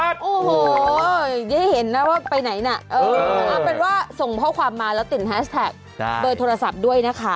โอ้โหได้เห็นนะว่าไปไหนนะเออเอาเป็นว่าส่งข้อความมาแล้วติดแฮชแท็กเบอร์โทรศัพท์ด้วยนะคะ